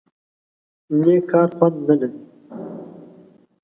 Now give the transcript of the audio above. _نېک کار خوند نه لري؟